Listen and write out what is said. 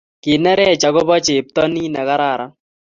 Kinereech agoba cheptonin negararan